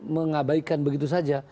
mengabaikan begitu saja